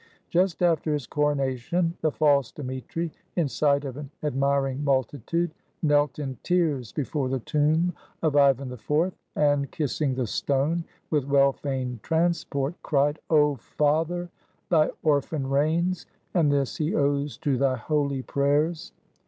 Just after his coronation, the false Dmitri, in sight of an admiring multitude, knelt in tears before the tomb of Ivan IV, and, kissing the stone with well feigned transport, cried, ''0 father: thy orphan reigns; and this he owes to thy holy prayers."